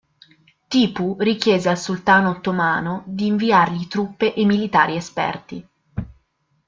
Tipu richiese al sultano ottomano di inviargli truppe e militari esperti.